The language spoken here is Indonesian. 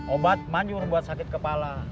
obat manjur buat sakit kepala